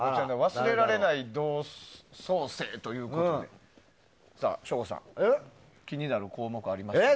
忘れられない同窓生ということで省吾さん気になる項目はありますか。